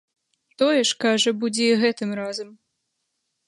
Тое ж, кажа, будзе і гэтым разам.